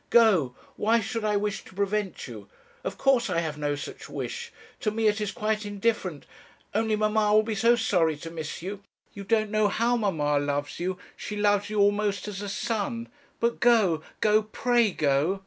Go! why should I wish to prevent you? Of course I have no such wish. To me it is quite indifferent; only, mamma will be so sorry to miss you. You don't know how mamma loves you. She loves you almost as a son. But go go; pray go!'